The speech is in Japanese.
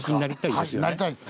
はいなりたいです！